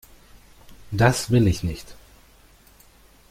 Das will ich nicht!